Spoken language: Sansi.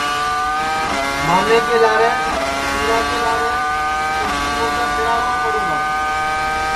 مامے کے لارے پیرا کے لارے اُس کوُ مُردا سِڑاٹؔا پڑوںگا